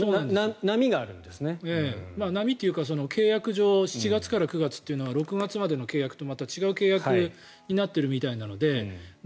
波というか契約上７月から９月というのは６月までの契約とはまた違う契約になっているみたいなので。